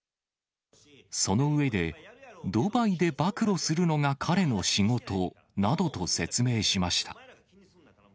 その上で、ドバイで暴露するのが彼の仕事などと説明しました。